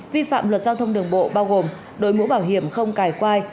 vi phạm luật giao thông đường bộ bao gồm đối mũ bảo hiểm không cài quai